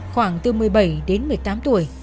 khoảng từ một mươi bảy đến một mươi tám tuổi